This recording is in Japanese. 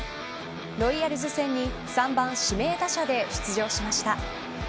ロイヤルズ戦に３番指名打者で出場しました。